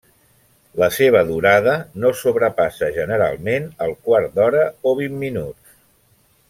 La seva durada no sobrepassa generalment el quart d'hora o vint minuts.